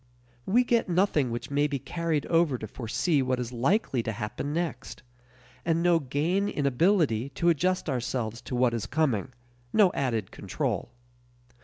We get nothing which may be carried over to foresee what is likely to happen next, and no gain in ability to adjust ourselves to what is coming no added control.